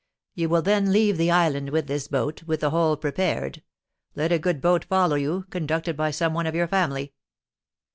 'You will then leave the island with this boat, with the hole prepared; let a good boat follow you, conducted by some one of your family.